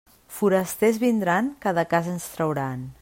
Forasters vindran que de casa ens trauran.